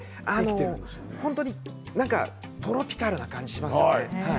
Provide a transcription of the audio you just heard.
本当にトロピカルな感じがしますね。